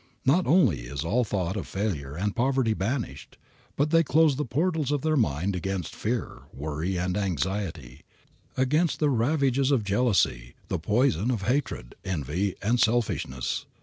Not only is all thought of failure and poverty banished, but they close the portals of their mind against fear, worry and anxiety, against the ravages of jealousy, the poison of hatred, envy, and selfishness.